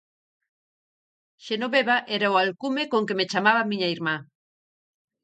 Xenoveva era o alcume con que me chamaba miña irmá.